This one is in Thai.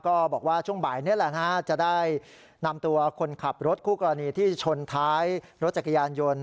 ก็บอกว่าช่วงบ่ายนี้แหละนะฮะจะได้นำตัวคนขับรถคู่กรณีที่ชนท้ายรถจักรยานยนต์